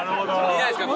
いないですか？